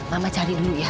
mama cari dulu ya